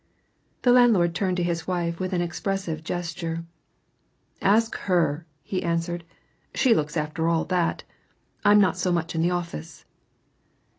The landlord turned to his wife with an expressive gesture. "Ask her," he answered. "She looks after all that I'm not so much in the office."